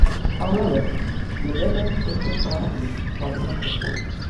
However, they later tested positive for the substance.